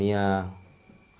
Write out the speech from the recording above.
ada dari islamia